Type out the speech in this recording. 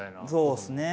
そうですね。